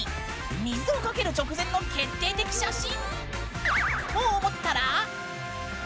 水をかける直前の決定的写真と思ったら！？